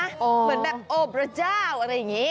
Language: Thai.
เหมือนแบบโอพระเจ้าอะไรอย่างนี้